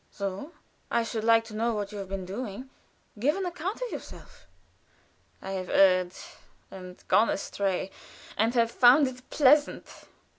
"So! I should like to know what you have been doing. Give an account of yourself." "I have erred and gone astray, and have found it pleasant.